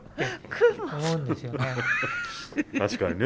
確かにね